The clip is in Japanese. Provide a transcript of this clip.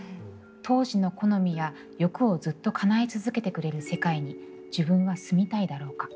当時の好みや欲をずっと叶え続けてくれる世界に自分は住みたいだろうか。